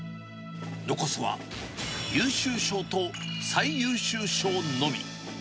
残すは、優秀賞と最優秀賞のみ。